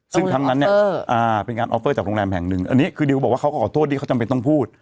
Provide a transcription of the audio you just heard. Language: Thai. ซึ่งครั้งนั้นเนี่ยเป็นงานออฟเฟอร์จากโรงแรมแห่งหนึ่งอันนี้คือดิวบอกว่าเขาก็ขอโทษที่เขาจำเป็นต้องพูด